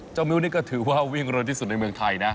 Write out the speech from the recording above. มิ้วนี่ก็ถือว่าวิ่งเร็วที่สุดในเมืองไทยนะ